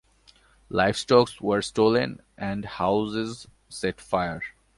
Livestock was stolen and houses set afire.